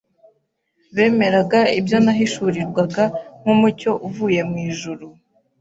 bemeraga ibyo nahishurirwaga nk’umucyo uvuye mu ijuru.